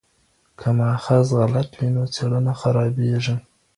که ماخذ غلط وي نو څېړنه خرابیږي.